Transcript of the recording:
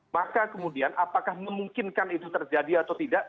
maka kemudian apakah memungkinkan itu terjadi atau tidak